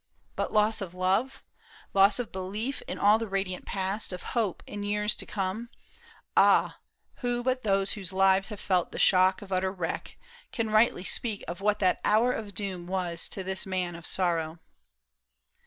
But loss of love ! Loss of belief in aU the radiant past. Of hope in years to come — ah, who but those Whose lives have felt the shock of utter wreck, Can rightly speak of what that hour of doom Was to this man of sorrow